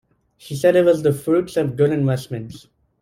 He said it was the fruits of good investments.